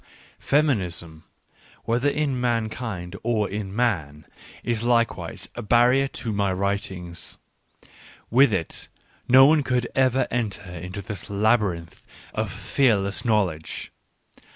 "Feminism," whether in mankind or in man, is likewise a barrier to my writings ; with it, no one could ever enter into this labyrinth of fearless knowledge.